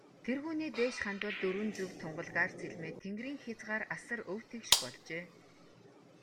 Тэргүүнээ дээш хандвал, дөрвөн зүг тунгалгаар цэлмээд, тэнгэрийн хязгаар асар өв тэгш болжээ.